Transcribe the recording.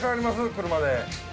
車で。